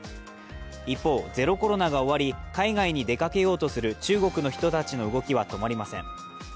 一方、ゼロコロナが終わり海外に出かけようとする中国の人たちの動きは止まりません。